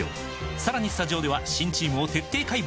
さらにスタジオでは新チームを徹底解剖！